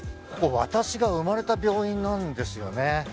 ここ私が産まれた病院なんですよね。